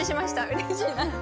うれしいな。